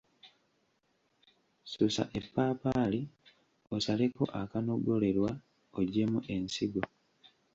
Susa eppaapaali, osaleko akanogolerwa, oggyemu ensigo.